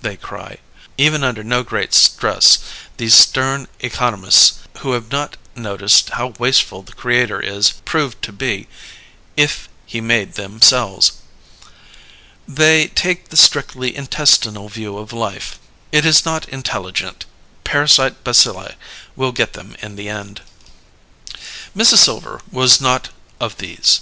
they cry, even under no great stress, these stern economists who have not noticed how wasteful the Creator is proved to be if He made themselves. They take the strictly intestinal view of life. It is not intelligent; parasite bacilli will get them in the end. Mrs. Silver was not of these.